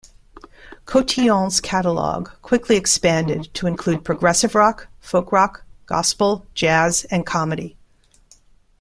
Cotillion's catalog quickly expanded to include progressive rock, folk-rock, gospel, jazz and comedy.